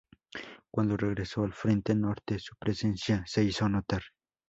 Cuando regresó al Frente norte, su presencia se hizo notar.